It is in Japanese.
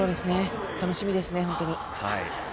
楽しみですね、本当に。